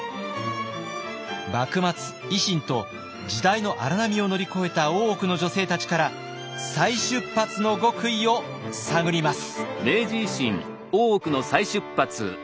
幕末維新と時代の荒波を乗り越えた大奥の女性たちから再出発の極意を探ります。